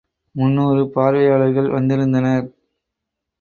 முன்னூறு பார்வையாளர்கள் வந்திருந்தனர்.